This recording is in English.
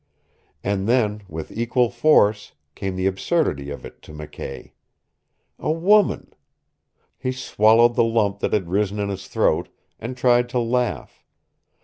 And then, with equal force, came the absurdity of it to McKay. A woman! He swallowed the lump that had risen in his throat, and tried to laugh.